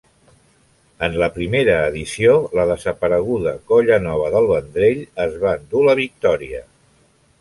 En la primera edició, la desapareguda Colla Nova del Vendrell es va endur la victòria.